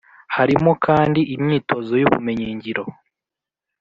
Harimo kandi imyitozo y’ubumenyi ngiro